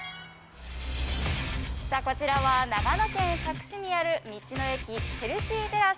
こちらは長野県佐久市にある道の駅ヘルシーテラス